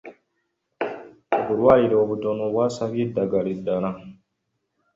Obulwaliro obutono bwasabye eddagala eddaala.